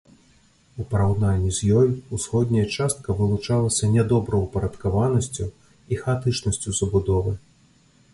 У параўнанні з ёй, усходняя частка вылучалася нядобраўпарадкаванасцю і хаатычнасцю забудовы.